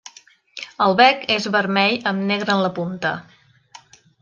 El bec és vermell amb negre en la punta.